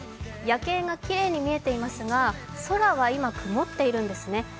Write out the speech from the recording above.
夜景がきれいに見えていますが、空は今、曇っているんですね。